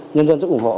nhân dân rất ủng hộ